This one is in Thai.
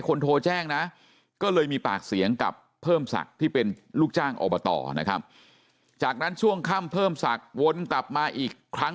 โทรแจ้งนะก็เลยมีปากเสียงกับเพิ่มศักดิ์ที่เป็นลูกจ้างอบตนะครับจากนั้นช่วงค่ำเพิ่มศักดิ์วนกลับมาอีกครั้ง